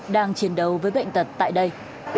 đang chiến đấu với bệnh tật tại đây